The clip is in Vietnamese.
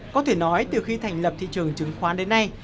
có thể nói từ khi thành lập thị trường chứng khoán đến nay